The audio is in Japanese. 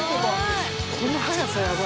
「この速さやばいよ」